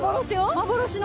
幻の？